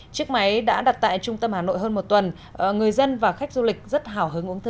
chiếc máy đã đặt tại trung tâm hà nội hơn một tuần người dân và khách du lịch rất hào hứng ứng thư